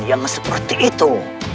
jangan seperti itu